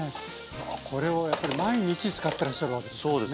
これをやっぱり毎日使ってらっしゃるわけですからね。